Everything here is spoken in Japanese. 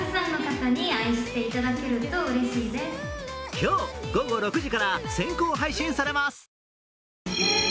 今日午後６時から先行配信されます。